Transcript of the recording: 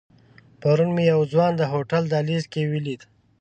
پرون مې یو ځوان د هوټل دهلیز کې ولید.